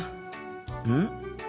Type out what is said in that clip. うん？